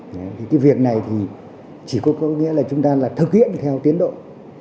cái việc này thì chỉ có có nghĩa là chúng ta là thực hiện theo tiến đội